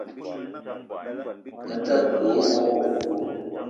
Me ta ke woko oso.